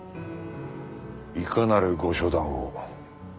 いかなるご処断を？